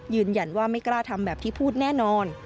ยืนยันว่าไม่กล้าทำแบบที่พูดแน่นอน